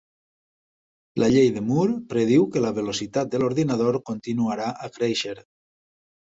La llei de Moore prediu que la velocitat de l'ordinador continuarà a créixer.